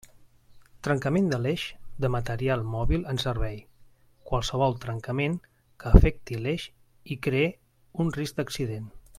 Trencament de l'eix de material mòbil en servei: qualsevol trencament que afecte l'eix i cree un risc d'accident.